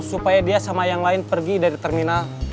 supaya dia sama yang lain pergi dari terminal